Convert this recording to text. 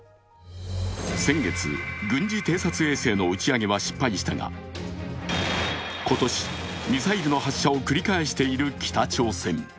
先月、軍事偵察衛星の打ち上げは失敗したが、今年、ミサイルの発射を繰り返している北朝鮮。